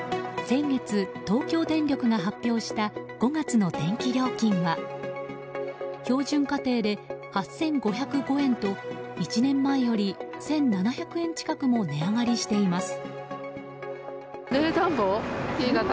先月、東京電力が発表した５月の電気料金は標準家庭で８５０５円と１年前より１７００円近くも値上がりしています。